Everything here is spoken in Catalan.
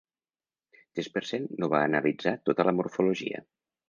Jespersen no va analitzar tota la morfologia.